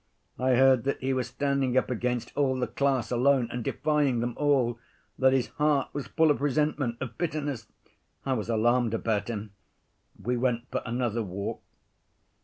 I heard that he was standing up against all the class alone and defying them all, that his heart was full of resentment, of bitterness—I was alarmed about him. We went for another walk.